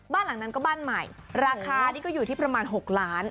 บ้านหลังนั้นก็บ้านใหม่ราคานี่ก็อยู่ที่ประมาณ๖ล้าน